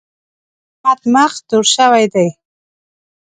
د احمد مخ تور شوی دی.